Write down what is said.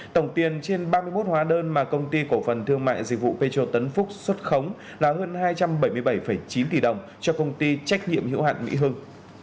tổng tiền trên ba mươi một hóa đơn mà công ty cổ phần thương mại dịch vụ petro tấn phúc xuất khống là hơn hai trăm bảy mươi bảy chín tỷ đồng cho công ty trách nhiệm hiệu hạn mỹ hưng